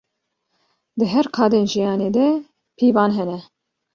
Di her qadên jiyanê de pîvan hene.